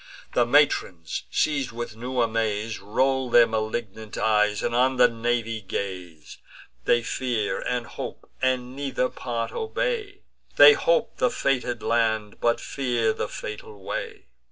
The matrons, seiz'd with new amaze, Roll their malignant eyes, and on the navy gaze. They fear, and hope, and neither part obey: They hope the fated land, but fear the fatal way.